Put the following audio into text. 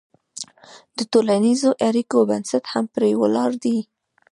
د ټولنیزو اړیکو بنسټ هم پرې ولاړ دی.